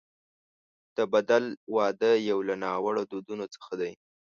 د بدل واده یو له ناوړه دودونو څخه دی.